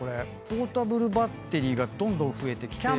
ポータブルバッテリーどんどん増えてきて。